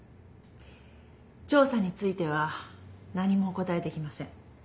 調査については何もお答えできません。